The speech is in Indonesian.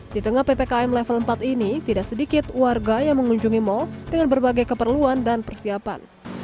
di tengah ppkm level empat ini tidak sedikit warga yang mengunjungi mal dengan berbagai keperluan dan persiapan